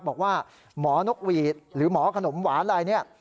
บอกว่าหมอนกหวีดหรือหมอขนมหวานอะไรเนี่ย